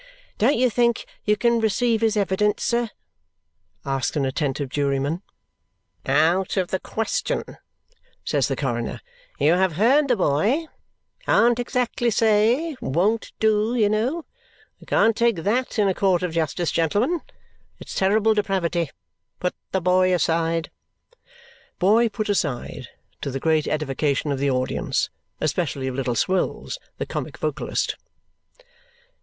"Don't you think you can receive his evidence, sir?" asks an attentive juryman. "Out of the question," says the coroner. "You have heard the boy. 'Can't exactly say' won't do, you know. We can't take THAT in a court of justice, gentlemen. It's terrible depravity. Put the boy aside." Boy put aside, to the great edification of the audience, especially of Little Swills, the comic vocalist.